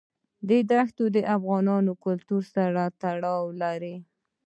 دښتې د افغان کلتور سره تړاو لري.